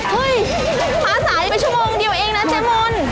เฮ้ยมาสายไปชั่วโมงเดียวเองนะเจมมุน